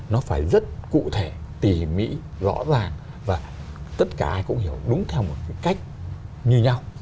nó phải rất cụ thể tỉ mỉ rõ ràng và tất cả ai cũng hiểu đúng theo một cái cách như nhau